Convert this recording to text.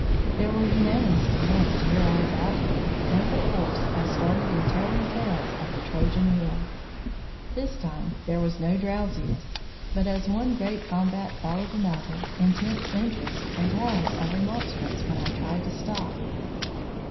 There were unanimous demands to hear all about him, and perforce I started in telling tales of the Trojan War. This time there was no drowsiness, but, as one great combat followed another, intense interest, and howls of remonstrance when I tried to stop.